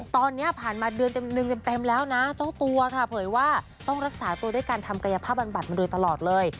ตอนนี้ผ่านมาเดือนเต็มแล้วนะเจ้าตัวค่ะเผยว่าต้องรักษาตัวด้วยการทำกายภาพบำบัดมาโดยตลอดเลย